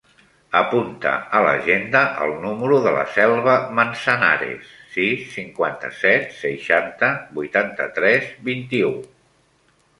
Apunta a l'agenda el número de la Selva Manzanares: sis, cinquanta-set, seixanta, vuitanta-tres, vint-i-u.